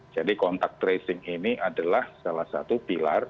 jadi kontak tracing ini adalah salah satu pilar